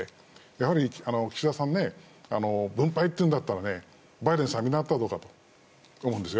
やはり岸田さん分配と言うんだったらバイデンさんを見習ったらどうだと思います。